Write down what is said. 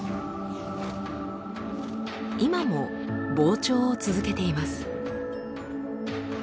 今も膨張を続けています。